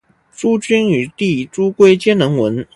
朱筠与弟朱圭皆能文。